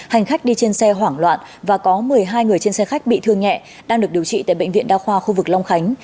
hành khách đi trên xe hoảng loạn và có một mươi hai người trên xe khách bị thương nhẹ đang được điều trị tại bệnh viện đa khoa khu vực long khánh